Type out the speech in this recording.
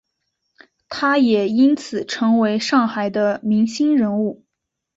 他也因此成为上海的明星人物。